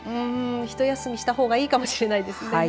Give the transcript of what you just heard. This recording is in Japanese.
一休みしたほうがいいかもしれないですね。